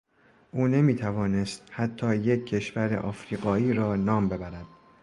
او نمی توانست حتی یک کشور افریقایی را نام ببرد.